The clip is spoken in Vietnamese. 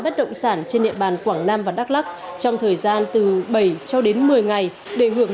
bất động sản trên địa bàn quảng nam và đắk lắc trong thời gian từ bảy cho đến một mươi ngày để hưởng